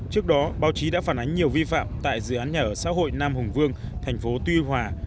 trước đó báo chí đã phản ánh nhiều vi phạm tại dự án nhà ở xã hội nam hùng vương thành phố tuy hòa